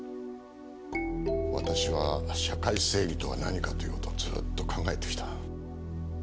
私は社会正義とは何かっていう事をずーっと考えてきた。